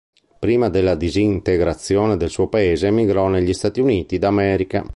Prima della disintegrazione del suo paese emigrò negli Stati Uniti d'America.